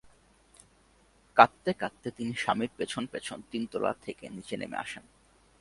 কাঁদতে কাঁদতে তিনি স্বামীর পেছন পেছন তিনতলা থেকে নিচে নেমে আসেন।